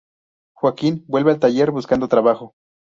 Joaquín vuelve al taller buscando trabajo.